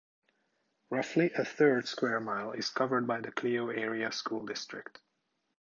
Roughly a third square mile is covered by the Clio Area School District.